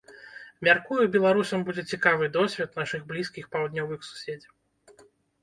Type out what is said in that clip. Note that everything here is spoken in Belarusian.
Мяркую беларусам будзе цікавы досвед нашых блізкіх паўднёвых суседзяў.